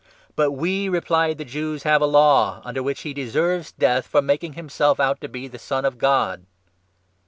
" But we," replied the Jews, " have a Law, under which he 7 deserves death for making himself out to be the Son of God."